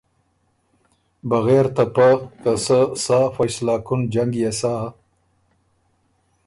بغېر ته پۀ که سۀ سا فیصله کُن جنګ يې سَۀ